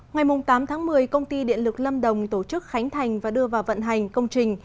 ngày tám tháng một mươi công ty điện lực lâm đồng tổ chức khánh thành và đưa vào vận hành công trình